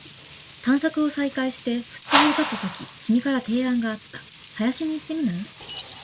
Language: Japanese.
探索を再開して二日ほど経ったとき、君から提案があった。「林に行ってみない？」